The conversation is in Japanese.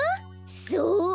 そう！